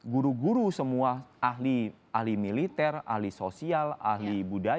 guru guru semua ahli ahli militer ahli sosial ahli budaya